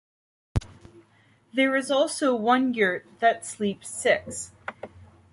There is also one yurt that sleeps six.